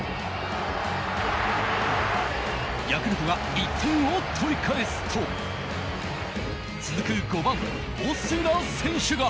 ヤクルトが１点を取り返すと続く５番、オスナ選手が。